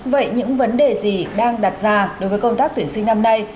vậy những vấn đề gì đang đặt ra đối với công tác tuyển sinh năm nay